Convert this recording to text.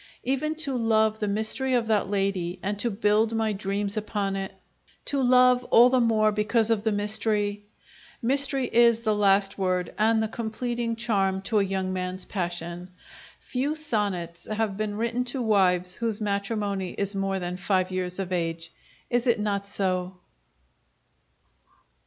Even to love the mystery of that lady and to build my dreams upon it? to love all the more because of the mystery? Mystery is the last word and the completing charm to a young man's passion. Few sonnets have been written to wives whose matrimony is more than five years of age is it not so?